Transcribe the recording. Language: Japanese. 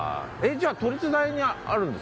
じゃあ都立大にあるんですか？